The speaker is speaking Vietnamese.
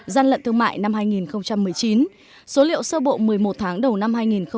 gian lận thương mại năm hai nghìn một mươi chín số liệu sơ bộ một mươi một tháng đầu năm hai nghìn một mươi chín